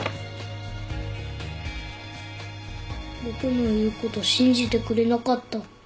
僕の言う事信じてくれなかった。